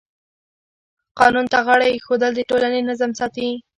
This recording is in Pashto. قانون ته غاړه ایښودل د ټولنې نظم ساتي.